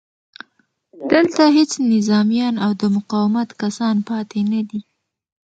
دلته هېڅ نظامیان او د مقاومت کسان پاتې نه دي